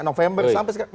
november sampai sekarang